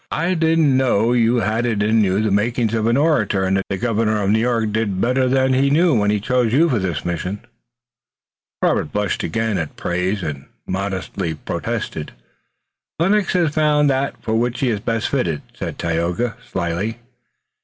"I didn't know you had in you the makings of an orator and diplomatist. The governor of New York did better than he knew when he chose you for one of this mission." Robert blushed again at praise and modestly protested. "Lennox has found that for which he is best fitted," said Tayoga, slyly.